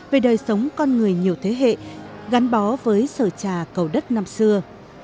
về đời sống con người nhiều thế hệ gắn bó với sở trà cầu đất năm xưa